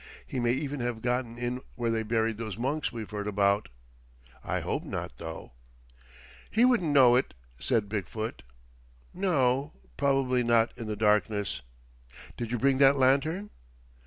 He may even have gotten in where they buried those monks we've heard about. I hope not, though." "He wouldn't know it," said Big foot. "No, probably not in the darkness. Did you bring that lantern?"